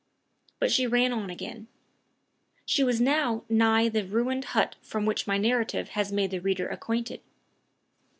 But she ran on again. She was now nigh the ruined hut with which my narrative has made the reader acquainted.